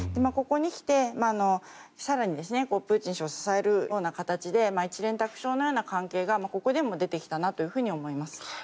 ここに来て更にプーチン氏を支える形で一蓮托生のような関係がここでも出てきたなと思います。